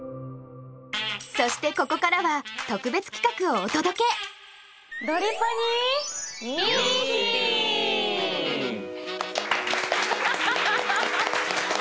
そしてここからは特別企画をお届けミーティング！